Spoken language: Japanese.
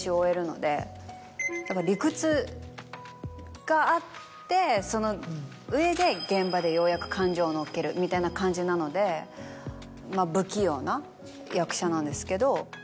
理屈があってその上で現場でようやく感情を乗っけるみたいな感じなのでまぁ不器用な役者なんですけど。